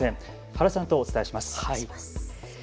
原さんとお伝えします。